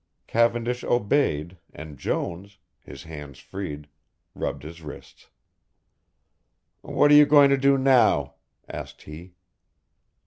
Cavendish obeyed, and Jones, his hands freed, rubbed his wrists. "What are you going to do now?" asked he.